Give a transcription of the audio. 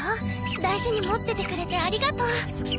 大事に持っててくれてありがとう。